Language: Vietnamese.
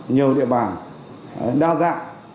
nhiều địa bàn đa dạng